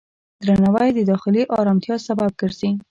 درناوی د داخلي آرامتیا سبب ګرځي.